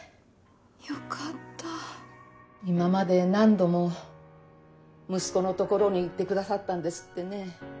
よかった今まで何度も息子の所に行ってくださったんですってね。